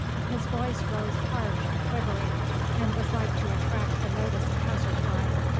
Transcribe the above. His voice rose harsh and quivering, and was like to attract the notice of passers by.